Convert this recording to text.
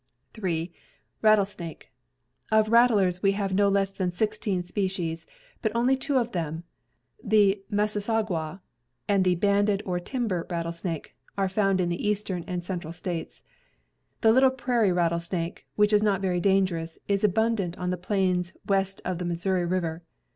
3. Rattlesnake. Of rattlers we have no less than sixteen species, but only two of them, the massasauga and the banded or timber rattlesnake, are found in the eastern and central states. The little prairie rattlesnake, which is not very dangerous, is abundant on the plains west of the Missouri River.